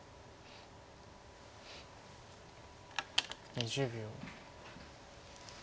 ２０秒。